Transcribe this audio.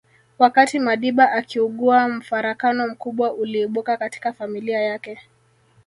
Wakati Madiba akiugua mfarakano mkubwa uliibuka katika familia yake